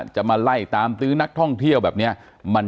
อ๋อเจ้าสีสุข่าวของสิ้นพอได้ด้วย